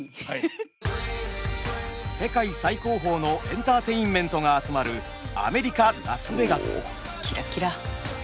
世界最高峰のエンターテインメントが集まるおキラキラ。